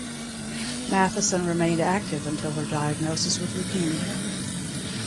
Matheson remained active until her diagnosis with leukemia.